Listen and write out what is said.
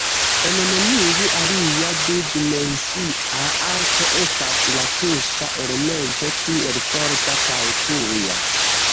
En neniu alia du-dimensia arto estas la tuŝa elemento tiel forta kaj tuja.